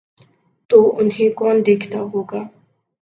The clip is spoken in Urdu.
تو انہیں کون دیکھتا ہو گا؟